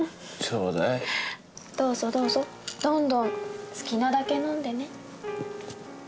ちょうだいどうぞどうぞどんどん好きなだけ飲んでね